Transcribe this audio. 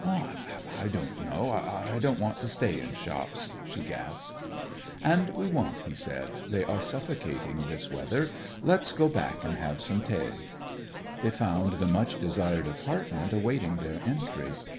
'I don't know I don't want to stay in shops,' she gasped. 'And we won't,' he said. 'They are suffocating this weather. Let's go back and have some tay!' They found the much desired apartment awaiting their entry.